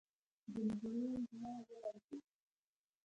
د نجلۍ زړه ولړزېد.